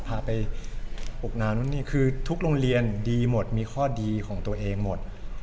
พาไปอบนาวนู่นนี่คือทุกโรงเรียนดีหมดมีข้อดีของตัวเองหมด